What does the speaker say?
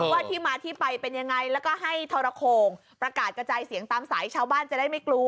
ว่าที่มาที่ไปเป็นยังไงแล้วก็ให้ทรโขงประกาศกระจายเสียงตามสายชาวบ้านจะได้ไม่กลัว